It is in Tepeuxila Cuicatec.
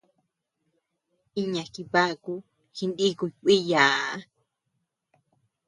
Iña jibaku jinikuy kuíyaa.